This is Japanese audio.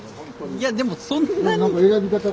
いやでもそんなに。